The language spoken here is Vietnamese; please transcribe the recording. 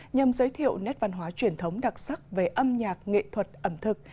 nhằm giới thiệu nét văn hóa truyền thống đặc sắc về âm nhạc nghệ thuật ẩm thực